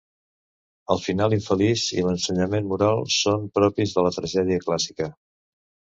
El final infeliç i l'ensenyament moral són propis de la tragèdia clàssica.